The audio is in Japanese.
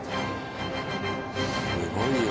すごいよ。